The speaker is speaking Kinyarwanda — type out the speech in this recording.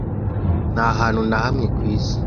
nta hantu na hamwe ku isi